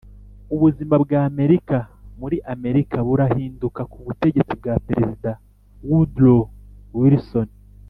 ubuzima bw’amerika muri amerika burahinduka ku butegetsi bwa perezida woodrow wilson